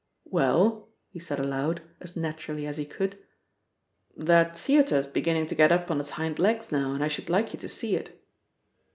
"Well," he said aloud, as naturally as he could. "That theatre's beginning to get up on its hind legs now, and I should like you to see it."